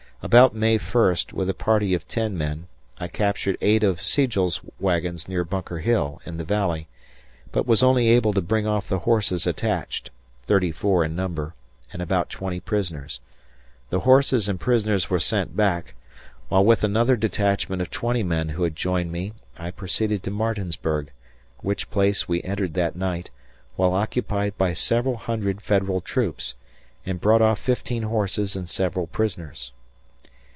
About May 1st, with a party of 10 men, I captured 8 of Sigel's wagons near Bunker Hill, in the Valley. but was only able to bring off the horses attached (34 in number) and about 20 prisoners. The horses and prisoners were sent back, while with another detachment of 20 men who had joined me I proceeded to Martinsburg, which place we entered that night, while occupied by several hundred Federal troops, and brought off 15 horses and several prisoners.